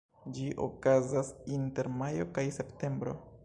Ĝi okazas inter majo kaj septembro.